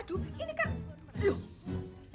aduh seru seru apa sih